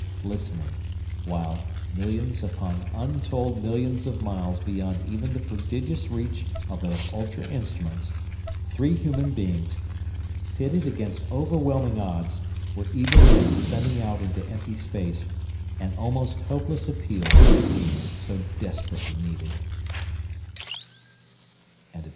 Listening while, millions upon untold millions of miles beyond even the prodigious reach of those ultra instruments, three human beings, pitted against overwhelming odds, were even then sending out into empty space an almost hopeless appeal for the aid so desperately needed!